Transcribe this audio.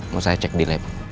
mau saya cek di lab